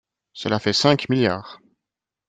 Cela fait cinq milliards